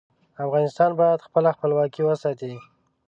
افغانستان باید خپله خپلواکي وساتي.